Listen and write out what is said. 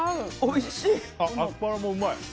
アスパラもうまい。